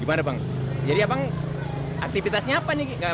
gimana bang jadi bang aktivitasnya apa ini belajar